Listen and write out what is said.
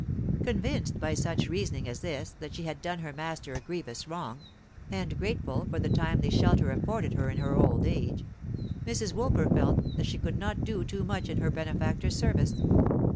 Convinced by such reasoning as this that she had done her master a grievous wrong, and grateful for the timely shelter afforded in her old age, Mrs. Woolper felt that she could not do too much in her benefactor's service.